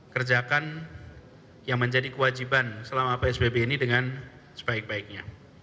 kerjakan yang menjadi kewajiban selama psbb ini dengan sebaik baiknya